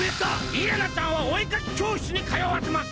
イララちゃんはお絵かき教室にかよわせます！